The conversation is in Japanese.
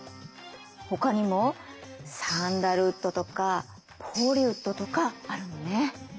ほかにもサンダルウッドとかポリウッドとかあるのね。